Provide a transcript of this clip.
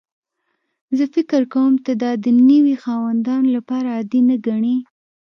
زه فکر کوم ته دا د نوي خاوندانو لپاره عادي نه ګڼې